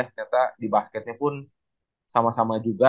ternyata di basketnya pun sama sama juga